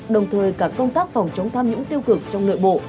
đồng thời cả công tác phòng chống tham nhũng tiêu cực trong nội bộ